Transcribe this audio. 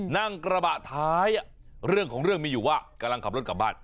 นั่งกระบะท้ายเรื่องของเรื่องมีอยู่ว่ากำลังขับรถกลับบ้าน